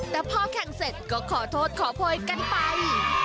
แต่พอแข่งเสร็จก็ขอโทษขอโพยกันไป